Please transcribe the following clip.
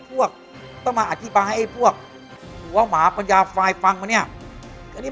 พวกต้องมาอธิภาพไว้พวกหัวหมาปัญญาฝ่ายฟังมาเนี่ยก็นี่